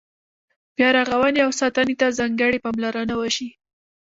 بیا رغونې او ساتنې ته ځانګړې پاملرنه وشي.